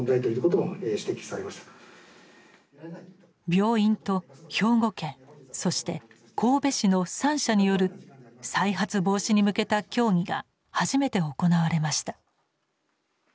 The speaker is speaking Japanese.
病院と兵庫県そして神戸市の三者による再発防止に向けた協議が初めて行われました。